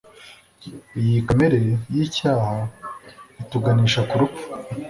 iyi kamere y’icyaha ituganisha ku rupfu